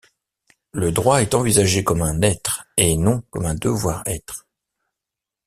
Le droit est envisagé comme un être, et non comme un devoir être.